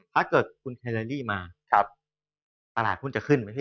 ถ้าเกิดคุณเฮเลลี่มาตลาดหุ้นจะขึ้นไหมพี่